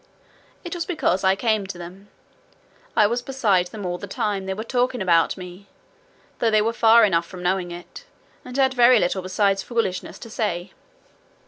It was because I came to them; I was beside them all the time they were talking about me, though they were far enough from knowing it, and had very little besides foolishness to say.'